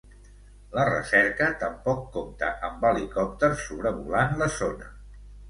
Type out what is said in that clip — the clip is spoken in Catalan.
La recerca tampoc compta amb helicòpters sobrevolant la zona.